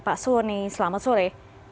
pak soni selamat sore